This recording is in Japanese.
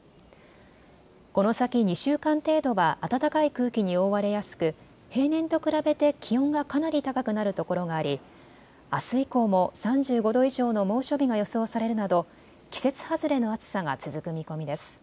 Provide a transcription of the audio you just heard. この先２週間程度は暖かい空気に覆われやすく平年と比べて気温がかなり高くなるところがありあす以降も３５度以上の猛暑日が予想されるなど季節外れの暑さが続く見込みです。